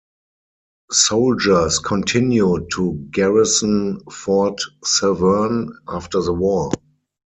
Soldiers continued to garrison Fort Severn after the war.